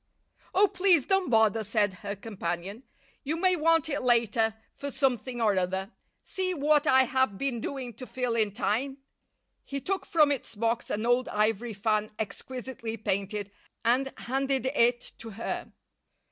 "Oh! please don't bother," said her companion. "You may want it later for something or other. See what I have been doing to fill in time." He took from its box an old ivory fan exquisitely painted, and handed it to her.